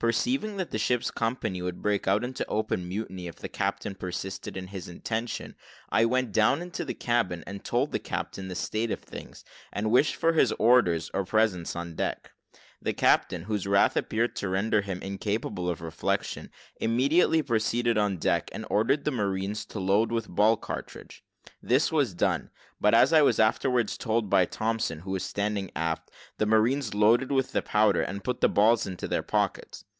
Perceiving that the ship's company would break out into open mutiny, if the captain persisted in his intention, I went down into the cabin, and told the captain the state of things, and wished for his orders or presence on deck. The captain, whose wrath appeared to render him incapable of reflection, immediately proceeded on deck, and ordered the marines to load with ball cartridge. This was done; but, as I was afterwards told by Thompson, who was standing aft, the marines loaded with the powder, and put the balls into their pockets.